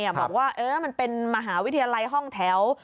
บอกว่ามันเป็นมหาวิทยาลัยห้องแถว